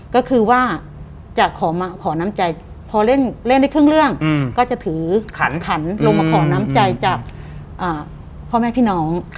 ก็คือว่าจะขอน้ำใจพอเล่นได้ครึ่งเรื่องก็จะถือขันขันลงมาขอน้ำใจจากพ่อแม่พี่น้อง